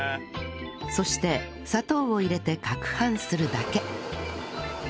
そして砂糖を入れて攪拌するだけ